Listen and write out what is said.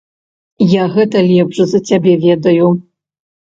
Я гэта лепш за цябе ведаю.